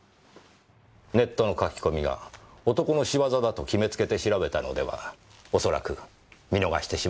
ネットのカキコミが男の仕業だと決めつけて調べたのでは恐らく見逃してしまうでしょうね。